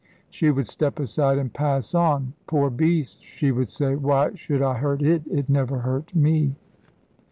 She would step aside and pass on. 'Poor beast!' she would say, 'why should I hurt it? It never hurt me.'